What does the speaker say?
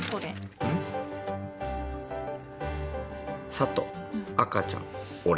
佐都赤ちゃん俺。